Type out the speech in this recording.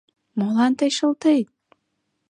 — Молан тый шылтет?!